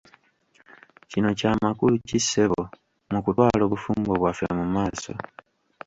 Kino kya makulu ki ssebo mu kutwala obufumbo bwaffe mu maaso?